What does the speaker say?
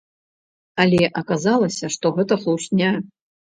Але аказалася, што гэта хлусня.